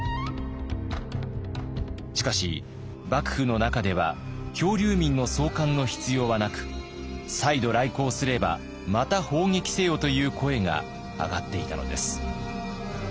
しかし幕府の中では漂流民の送還の必要はなく再度来航すればまた砲撃せよという声が上がっていたのです。